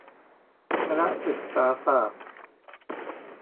คณะศึกษาศาสตร์